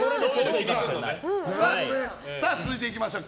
続いていきましょう。